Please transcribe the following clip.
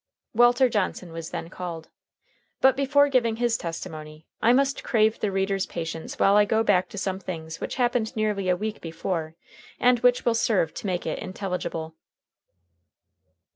Walter Johnson was then called. But before giving his testimony, I must crave the reader's patience while I go back to some things which happened nearly a week before and which will serve to make it intelligible.